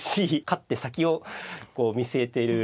勝って先をこう見据えてる